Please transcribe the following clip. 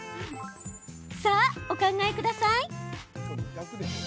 さあ、お考えください。